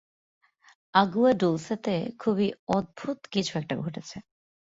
Água ডুলসে-তে খুবই অদ্ভুত কিছু একটা ঘটছে।